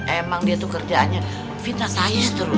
emang dia tuh kerjaannya fitnah saya terus